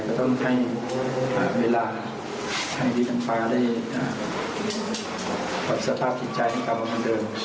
ก็ต้องให้เวลาให้พี่น้องฟ้าได้อ่าสภาพผิดใจเอามาคนเดิม